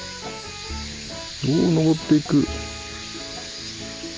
お登っていく。